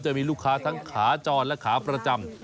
จะมีลูกค้าทั้งขาจรและขาประจำ